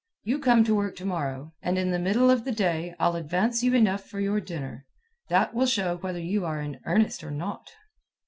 "You come to work to morrow, and in the middle of the day I'll advance you enough for your dinner. That will show whether you are in earnest or not."